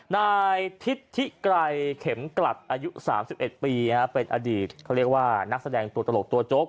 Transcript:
นายทิศทิไกรเข็มกลัดอายุ๓๑ปีเป็นอดีตเขาเรียกว่านักแสดงตัวตลกตัวโจ๊ก